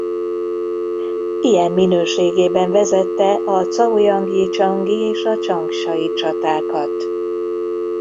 Ilyen minőségében vezette a caojang-jicsangi és csangsai csatákat.